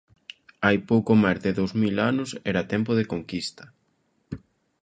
Hai pouco máis de dous mil anos, era tempo de conquista.